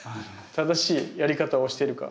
正しいやり方をしてるか。